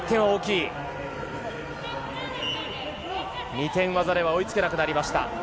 ２点技では追いつけなくなりました。